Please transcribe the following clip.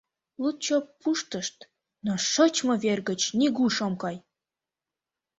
Лучо пуштышт, но шочмо вер гыч нигуш ом кай!